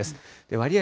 割合